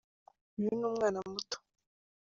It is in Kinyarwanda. uyu ni umwana muto